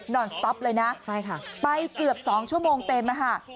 นอนสต๊อปเลยนะไปเกือบ๒ชั่วโมงเต็มนะครับ